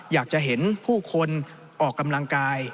อยากจะเห็นผู้คนออกกำลังกาย